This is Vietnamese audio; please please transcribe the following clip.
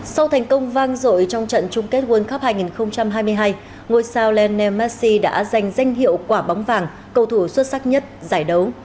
sau thành công vang dội trong trận chung kết world cup hai nghìn hai mươi hai ngôi sao len massi đã giành danh hiệu quả bóng vàng cầu thủ xuất sắc nhất giải đấu